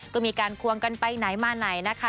ก็มีการควงกันไปไหนมาไหนนะคะ